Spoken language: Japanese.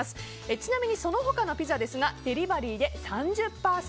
ちなみにその他のピザですがデリバリーで３０％